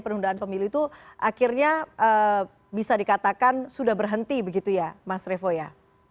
penundaan pemilu itu akhirnya bisa dikatakan sudah berhenti begitu ya mas revo ya